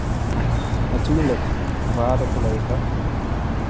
Natuurlijk, waarde collega.